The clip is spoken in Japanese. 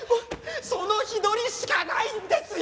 その日取りしかないんですよ！